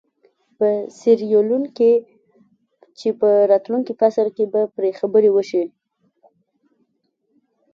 په سیریلیون کې چې په راتلونکي فصل کې به پرې خبرې وشي.